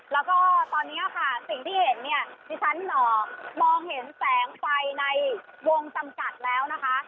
แล้วก็ตอนนี้ค่ะสิ่งที่เห็นเนี่ยที่ฉันมองเห็นแสงไฟในวงจำกัดแล้วนะคะ